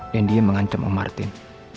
dan dia mengancam om martin